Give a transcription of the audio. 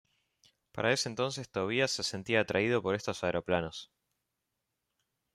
Para ese entonces Tobías se sentía atraído por estos aeroplanos.